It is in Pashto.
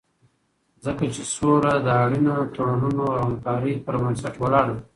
ځکه چې سوله د اړینو تړونونو او همکارۍ پر بنسټ ولاړه ده.